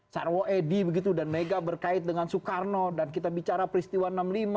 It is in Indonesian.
sarwo edi begitu dan mega berkait dengan soekarno dan kita bicara peristiwa enam puluh lima